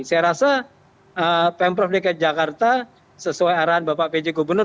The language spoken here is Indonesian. saya rasa pemprov dki jakarta sesuai arahan bapak pj gubernur